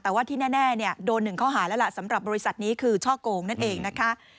แต่ว่าที่แน่โดน๑ข้อหาแล้วล่ะสำหรับบริษัทนี้คือช่อโกงนั่นเองนะคะ